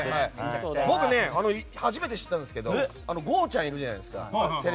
僕ね、初めて知ったんですけどテレビ朝日のゴーちゃん。いるじゃないですか。